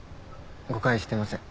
誤解してません。